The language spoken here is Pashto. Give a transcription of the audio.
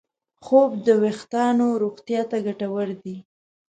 خوب د وېښتیانو روغتیا ته ګټور دی.